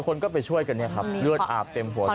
คนก็ไปช่วยกันเนี่ยครับเลือดอาบเต็มหัว